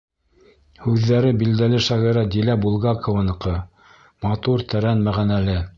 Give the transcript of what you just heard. Һүҙҙәре — билдәле шағирә Дилә Булгакованыҡы, матур, тәрән мәғәнәле.